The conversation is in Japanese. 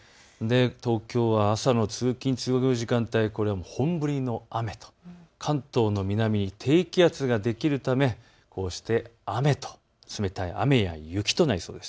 東京は朝の通勤通学の時間帯、本降りの雨と関東の南に低気圧ができるためこうして冷たい雨や雪となりそうです。